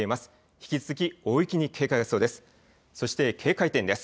引き続き大雪に警戒が必要です。